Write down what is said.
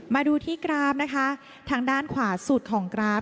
มาดูที่กราฟนะคะทางด้านขวาสุดของกราฟ